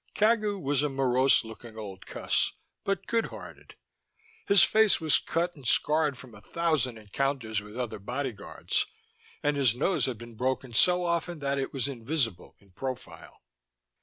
Cagu was a morose looking old cuss, but good hearted. His face was cut and scarred from a thousand encounters with other bodyguards and his nose had been broken so often that it was invisible in profile.